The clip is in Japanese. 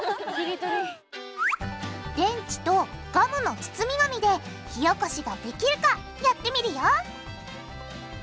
電池とガムの包み紙で火おこしができるかやってみるよ